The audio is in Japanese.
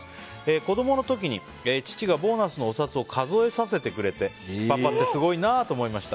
子供の時に父がボーナスのお札を数えさせてくれてパパってすごいなと思いました。